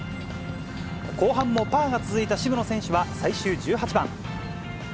後半もパーが続いた渋野選手は最終１８番。